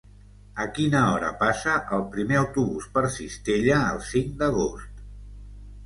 A quina hora passa el primer autobús per Cistella el cinc d'agost?